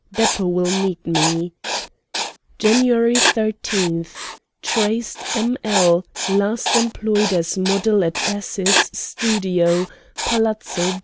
Beppo will meet me. "Jan. 13. Traced M. L. Last employed as a model at S.'s studio, Palazzo B.